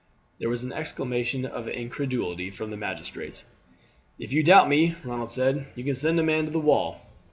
There was an exclamation of incredulity from the magistrates. "If you doubt me," Ronald said, "you can send a man to the wall.